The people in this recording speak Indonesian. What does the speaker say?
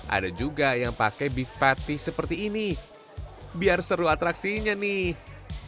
ada juga yang pakai beef patty seperti ini biar seru atraksinya nih